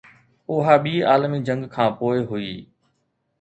اها ٻي عالمي جنگ کان پوءِ هئي